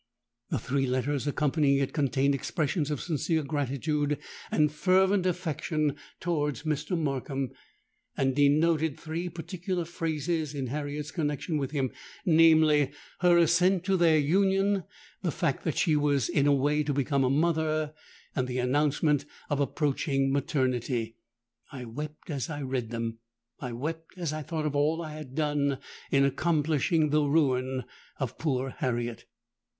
The three letters accompanying it contained expressions of sincere gratitude and fervent affection towards Mr. Markham, and denoted three particular phases in Harriet's connexion with him: namely, her assent to their union, the fact that she was in a way to become a mother, and the announcement of approaching maternity. I wept as I read them:—I wept as I thought of all I had done in accomplishing the ruin of poor Harriet!